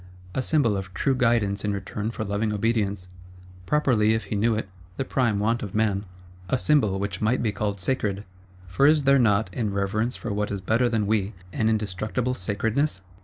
A Symbol of true Guidance in return for loving Obedience; properly, if he knew it, the prime want of man. A Symbol which might be called sacred; for is there not, in reverence for what is better than we, an indestructible sacredness?